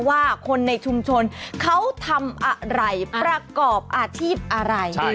ว่าคนในชุมชนเขาทำอะไรประกอบอาชีพอะไร